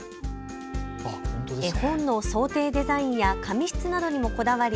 絵本の装丁デザインや紙質などにもこだわり